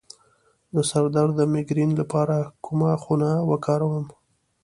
د سر درد د میګرین لپاره کومه خونه وکاروم؟